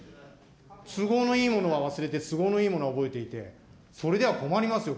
都合のいいものは忘れて、都合のいいものは覚えていて、それでは困りますよ。